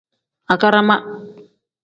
Agarama.